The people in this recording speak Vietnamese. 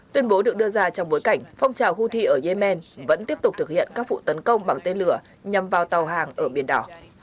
tuyên bố được đưa ra trong bối cảnh phong trào houthi ở yemen vẫn tiếp tục thực hiện các vụ tấn công bằng tên lửa nhằm vào tàu hàng ở biển đỏ